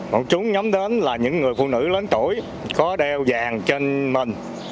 một chúng nhắm đến là những người phụ nữ lớn tuổi có đeo vàng trên mình